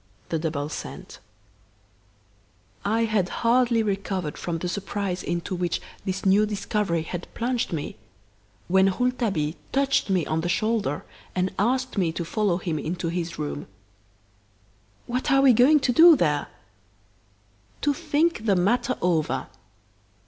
The Double Scent I had hardly recovered from the surprise into which this new discovery had plunged me, when Rouletabille touched me on the shoulder and asked me to follow him into his room. "What are we going to do there?" "To think the matter over."